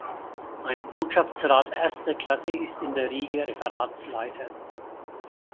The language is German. Ein Botschaftsrat Erster Klasse ist in der Regel Referatsleiter.